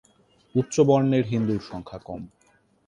উচ্চ বর্ণের হিন্দুর সংখ্যা কম।